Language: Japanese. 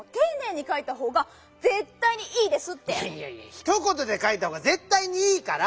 ひとことでかいたほうがぜったいにいいから！